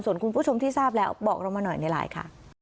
ส่วนคุณผู้ชมที่ทราบแล้วบอกเรามาหน่อยในไลน์ค่ะ